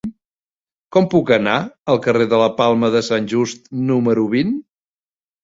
Com puc anar al carrer de la Palma de Sant Just número vint?